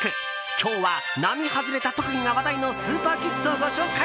今日は並外れた特技が話題のスーパーキッズをご紹介！